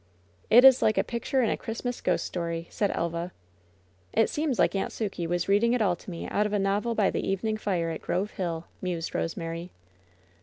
"It is like a picture in a Christmas ghost story," said Elva. "It seems like Aunt Sukey was reading it all to me out of a novel by the evening fire at Grove Hill," museJ Rosemary.